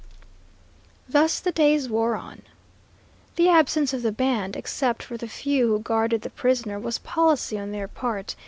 Thus the days wore on. The absence of the band, except for the few who guarded the prisoner, was policy on their part.